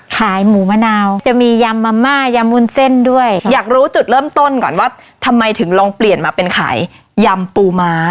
ขายหมูมะนาวจะมียำมะม่ายำวุ้นเส้นด้วยอยากรู้จุดเริ่มต้นก่อนว่าทำไมถึงลองเปลี่ยนมาเป็นขายยำปูม้า